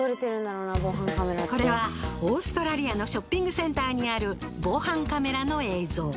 これはオーストラリアのショッピングセンターにある防犯カメラの映像。